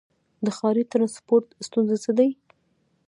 د ښاري ټرانسپورټ ستونزې څه دي؟